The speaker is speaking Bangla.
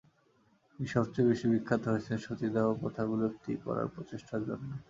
তিনি সবচেয়ে বেশি বিখ্যাত হয়েছেন সতীদাহ প্রথা বিলুপ্ত করার প্রচেষ্টার জন্য।